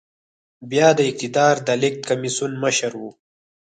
بيا د اقتدار د لېږد کميسيون مشر و.